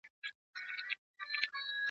لا خبر نه یم چي تر یار که تر اغیاره ځمه !.